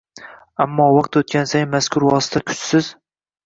ammo vaqt o‘tgani sayin mazkur vosita kuchsiz